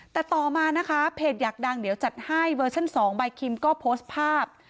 แต่ต่อมานะคะเพจอยากดังเดี๋ยวจัดให้เวอร์ชั่น๒ใบคิมก็โพสต์ภาพ